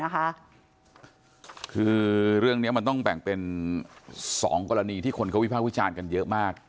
คือเรื่องนี้มันต้องแบ่งเป็น๒กรณีที่คนเขาวิภาควิจารณ์กันเยอะมาก